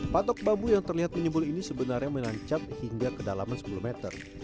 patok bambu yang terlihat menyembul ini sebenarnya menancap hingga kedalaman sepuluh meter